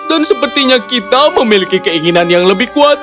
dan sepertinya kita memiliki kaki yang lebih kuat